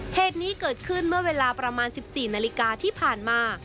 เหตุนี้เกิดขึ้นเมื่อเวลาประมาณ๑๔นาฬิกาที่ผ่านมา